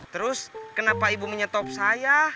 terus kenapa ibu menyetop saya